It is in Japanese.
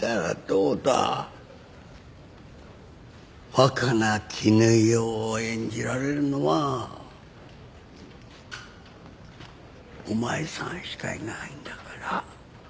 若菜絹代を演じられるのはお前さんしかいないんだから。